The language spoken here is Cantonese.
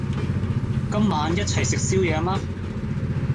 今晚一齊食宵夜嗎？